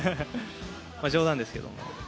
冗談ですけど。